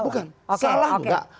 bukan salah gak